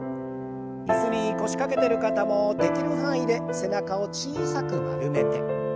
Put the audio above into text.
椅子に腰掛けてる方もできる範囲で背中を小さく丸めて。